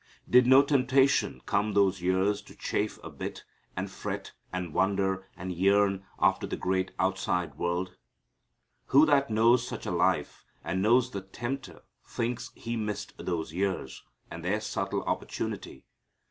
Did no temptation come those years to chafe a bit and fret and wonder and yearn after the great outside world? Who that knows such a life, and knows the tempter, thinks he missed those years, and their subtle opportunity?